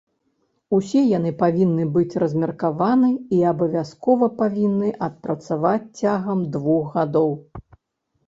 Усе яны павінны быць размеркаваны і абавязкова павінны адпрацаваць цягам двух гадоў.